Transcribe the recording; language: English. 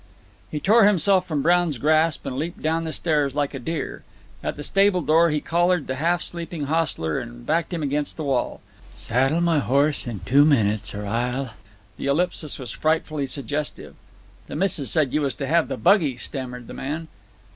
He tore himself from Brown's grasp, and leaped down the stairs like a deer. At the stable door he collared the half sleeping hostler and backed him against the wall. "Saddle my horse in two minutes, or I'll " The ellipsis was frightfully suggestive. "The missis said you was to have the buggy," stammered the man.